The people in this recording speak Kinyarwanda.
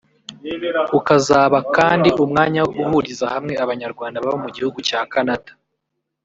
ukazaba kandi umwanya wo guhuriza hamwe abanyarwanda baba mu gihugu cya Canada